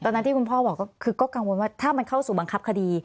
นั้นที่คุณพ่อบอกก็คือก็กังวลว่าถ้ามันเข้าสู่บังคับคดี